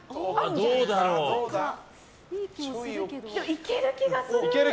いける気がする。